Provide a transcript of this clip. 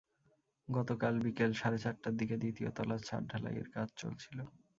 গতকাল বিকেল সাড়ে চারটার দিকে দ্বিতীয় তলার ছাদ ঢালাইয়ের কাজ চলছিল।